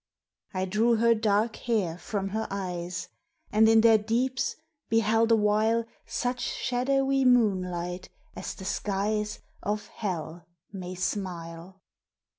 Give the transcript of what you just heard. I drew her dark hair from her eyes, And in their deeps beheld a while Such shadowy moonlight as the skies Of Hell may smile.